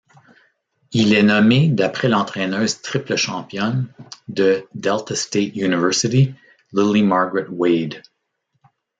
Il est nommé d'après l'entraîneuse triple championne de Delta State University Lily Margaret Wade.